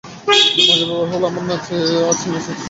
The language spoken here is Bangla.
মজার ব্যাপার হলো, আমার আজ নাচে আসার ইচ্ছেই ছিলো না।